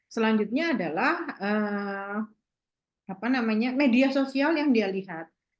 selanjutnya adalah media sosial yang dia lihat